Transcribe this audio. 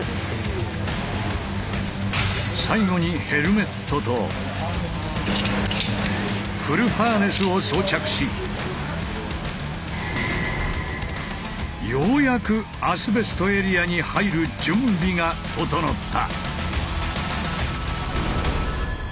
最後にヘルメットとフルハーネスを装着しようやくアスベストエリアに入る準備が整った！